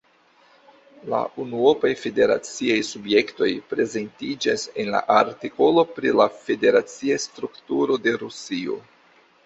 La unuopaj federaciaj subjektoj prezentiĝas en la artikolo pri la federacia strukturo de Rusio.